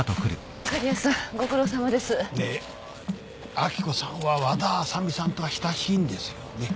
明子さんは和田あさみさんとは親しいんですよね。